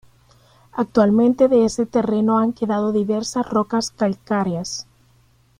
Actualmente de ese terreno han quedado diversas rocas calcáreas.